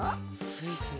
スイスイ。